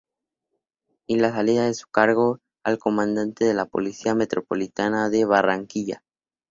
Y la salida de su cargo al comandante de la Policía Metropolitana de Barranquilla.